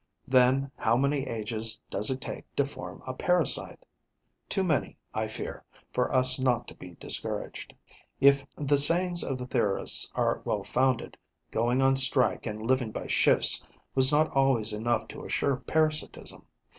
Then how many ages does it take to form a parasite? Too many, I fear, for us not to be discouraged. If the sayings of the theorists are well founded, going on strike and living by shifts was not always enough to assure parasitism.